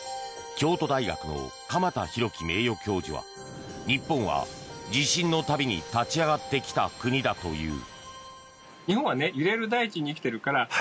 京都大学の鎌田浩毅名誉教授は日本は地震の度に立ち上がってきた国だという。